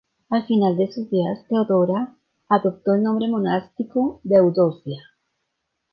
Al final de sus días Teodora adoptó el nombre monástico de Eudoxia.